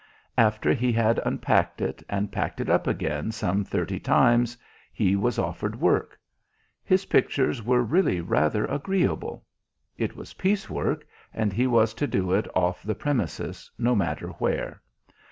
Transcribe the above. After he had unpacked it and packed it up again some thirty times he was offered work. His pictures were really rather agreeable. It was piecework, and he was to do it off the premises, no matter where.